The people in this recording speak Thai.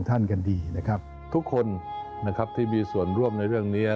ทุกคนที่มีส่วนร่วมในเรื่องนี้